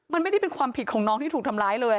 มันไม่ได้เป็นความผิดของน้องที่ถูกทำร้ายเลย